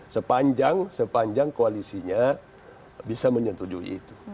sepanjang sepanjang koalisinya bisa menyetujui itu